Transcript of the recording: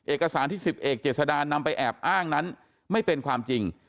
เอกสารที่๑๐เอกเจษดานำไปแอบอ้างนั้นไม่เป็นความจริง